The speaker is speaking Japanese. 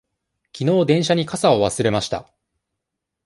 きのう電車に傘を忘れました。